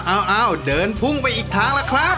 เอาเดินพุ่งไปอีกทางล่ะครับ